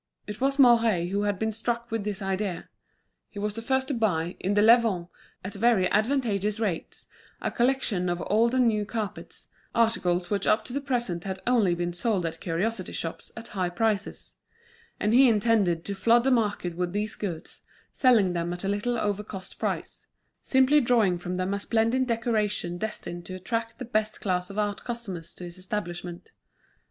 It was Mouret who had been struck with this idea. He was the first to buy, in the Levant, at very advantageous rates, a collection of old and new carpets, articles which up to the present had only been sold at curiosity shops, at high prices; and he intended to flood the market with these goods, selling them at a little over cost price, simply drawing from them a splendid decoration destined to attract the best class of art customers to his establishment.